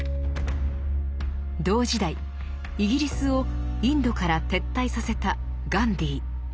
同時代イギリスをインドから撤退させたガンディー。